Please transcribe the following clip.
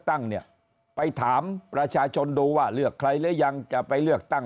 ตั้งเนี่ยไปถามประชาชนดูว่าเลือกใครหรือยังจะไปเลือกตั้ง